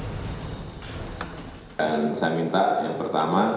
dan saya minta yang pertama